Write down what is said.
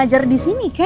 ngejar di sini ya